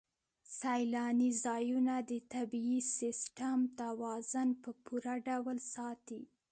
سیلاني ځایونه د طبعي سیسټم توازن په پوره ډول ساتي.